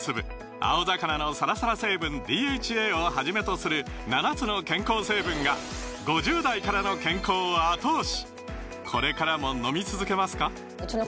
青魚のサラサラ成分ＤＨＡをはじめとする７つの健康成分が５０代からの健康を後押し！